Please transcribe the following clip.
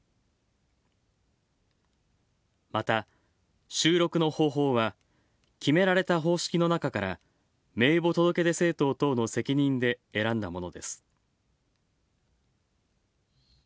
また、収録の方法は決められた方式の中から名簿届出政党等の責任で選んだものです。